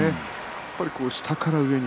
やっぱり下から上に